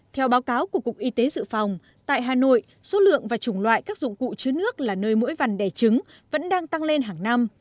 theo báo cáo của cục y tế dự phòng tại hà nội số lượng và chủng loại các dụng cụ chứa nước là nơi mỗi vần đẻ trứng vẫn đang tăng lên hàng năm